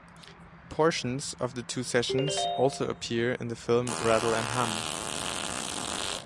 Portions of the two sessions also appear in the film "Rattle and Hum".